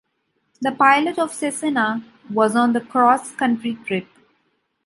The pilot of the Cessna was on a cross-country trip.